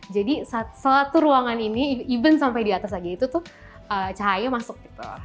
jadi satu ruangan ini even sampai di atas lagi itu tuh cahaya masuk gitu